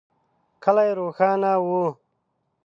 کلی روښانه و.